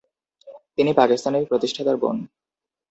তিনি পাকিস্তানের প্রতিষ্ঠাতার বোন।